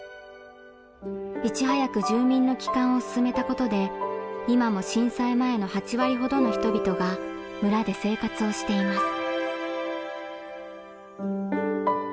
いち早く住民の帰還を進めたことで今も震災前の８割ほどの人々が村で生活をしています。